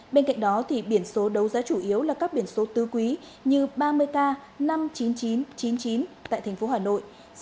bên cạnh đó thì biển số đấu giá chủ yếu là các biển số tư quý như ba mươi k năm mươi chín nghìn chín trăm chín mươi chín tại tp hà nội